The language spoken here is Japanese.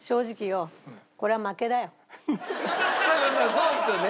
そうですよね。